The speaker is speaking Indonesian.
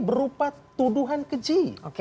berupa tuduhan keji